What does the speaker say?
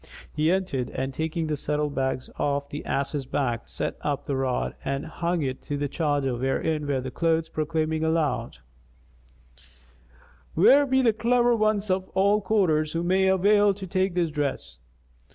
He entered and taking the saddle bags off the ass's back set up the rod and hung to it the charger wherein were the clothes proclaiming aloud, "Where be the clever ones of all quarters who may avail to take this dress?"